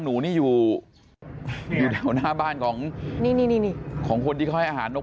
หนูนี่อยู่แถวหน้าบ้านของคนที่เขาให้อาหารนก